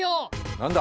何だ？